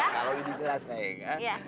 kalau ini jelas neng